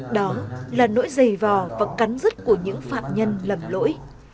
đó là nỗi dày vò và cắn rứt của những phạm nhân lầm lỗi